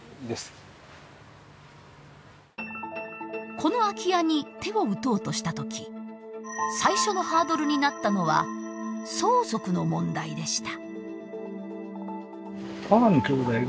この空き家に手を打とうとした時最初のハードルになったのは相続の問題でした。